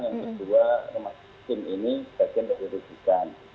yang kedua rumah sakit ini bupati ujin batang